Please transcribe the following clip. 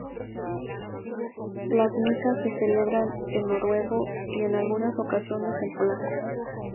Las misas se celebran en noruego, y en algunas ocasiones en polaco.